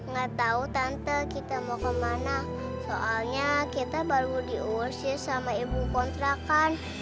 gak tau tante kita mau kemana soalnya kita baru diursir sama ibu kontra kan